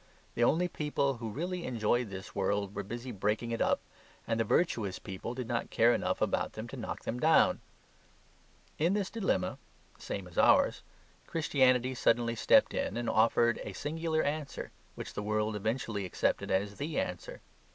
The only people who really enjoyed this world were busy breaking it up; and the virtuous people did not care enough about them to knock them down. In this dilemma (the same as ours) Christianity suddenly stepped in and offered a singular answer, which the world eventually accepted as THE answer.